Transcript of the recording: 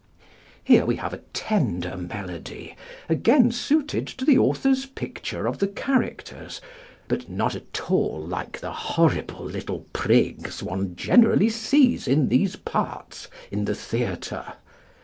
Here we have a tender melody, again suited to the author's picture of the characters, but not at all like the horrible little prigs one generally sees in these parts in the theatre.